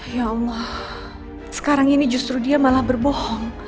ya allah sekarang ini justru dia malah berbohong